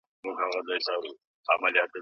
ځواني د ژوند تر ټولو ښکلې او رنګینه مېوه ده.